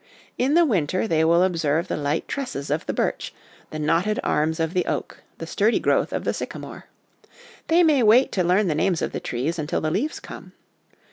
In the winter, they will observe the light tresses of the birch, the knotted arms of the oak, the sturdy growth of the sycamore. They may wait to learn the names of the trees until the leaves come.